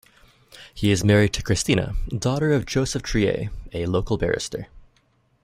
He is married to Cristina, daughter of Joseph Triay, a local barrister.